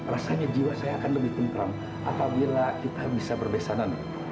rasanya jiwa saya akan lebih tentram apabila kita bisa berbesanan